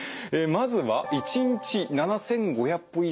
まずは「１日７，５００歩以上歩く」。